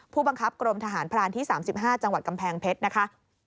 ผู้บังคับกรมทหารพรานที่๓๕จังหวัดกำแพงเพชรนะคะ